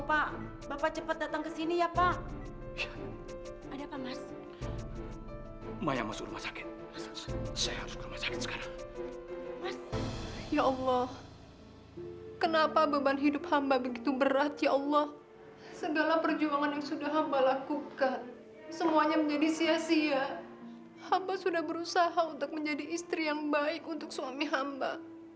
sampai semua orang orang yang hamba kasihi tidak pernah menghargai pengorbanan hamba